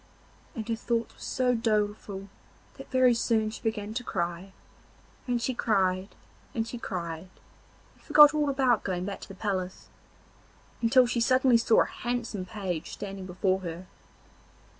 And her thoughts were so doleful that very soon she began to cry, and she cried, and cried, and forgot all about going back to the palace, until she suddenly saw a handsome page standing before her.